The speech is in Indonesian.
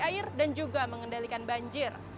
air dan juga mengendalikan banjir